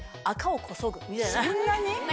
そんなに？